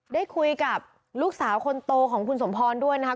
ได้คุยกับลูกสาวคนโตของคุณสมพรด้วยนะครับ